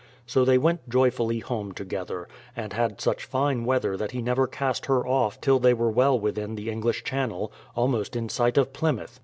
So they went joyfully home together, and had such fine weather that he never cast her off till they were well within the England channel, almost in sight of Plymouth.